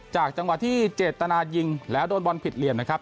จังหวะที่เจตนายิงแล้วโดนบอลผิดเหลี่ยมนะครับ